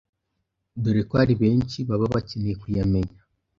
dore ko hari benshi baba bakeneye kuyamenya.